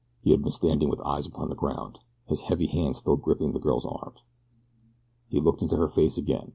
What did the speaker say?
He had been standing with eyes upon the ground, his heavy hand still gripping the girl's arm. He looked into her face again.